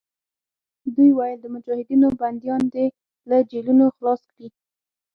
دوی ویل د مجاهدینو بندیان دې له جېلونو خلاص کړي.